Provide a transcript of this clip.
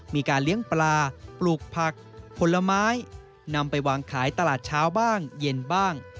มีการเลี้ยงปลาปลูกผักผลไม้นำไปวางขายตลาดเช้าบ้างเย็นบ้าง